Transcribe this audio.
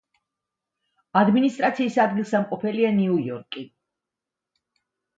ადმინისტრაციის ადგილსამყოფელია ნიუ-იორკი.